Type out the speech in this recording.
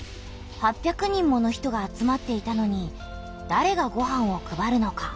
８００人もの人が集まっていたのにだれがごはんを配るのか？